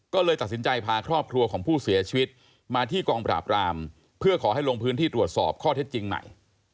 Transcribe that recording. ก็เลยตัดสินใจพาครอบครัวของผู้เสียชีวิตมาที่กองปราบรามเพื่อขอให้ลงพื้นที่ตรวจสอบข้อเท็จจริงใหม่